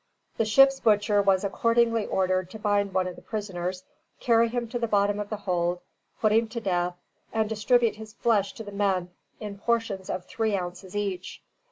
The ship's butcher was accordingly ordered to bind one of the prisoners, carry him to the bottom of the hold, put him to death, and distribute his flesh to the men in portions of three ounces each.